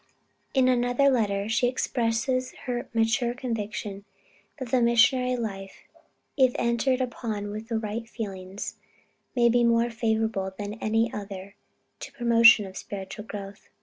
In another letter, she expresses her mature conviction that the missionary life if entered upon with right feelings may be more favorable than any other to the promotion of spiritual growth.